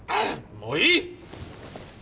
もういい！